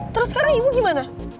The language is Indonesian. terus sekarang ibu gimana